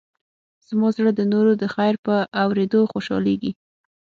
زما زړه د نورو د خیر په اورېدو خوشحالېږي.